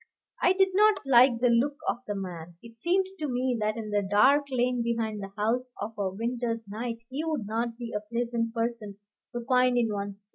I did not like the look of the man. It seemed to me that in the dark lane behind the house of a winter's night he would not be a pleasant person to find in one's way.